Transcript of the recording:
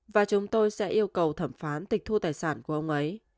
và chúng tôi sẽ yêu cầu thẩm phán tịch thu tài sản của ông ấy